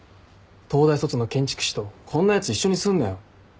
東大卒の建築士とこんなやつ一緒にすんなよ。